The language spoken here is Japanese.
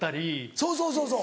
そうそうそうそう。